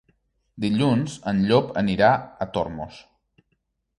Dilluns en Llop anirà a Tormos.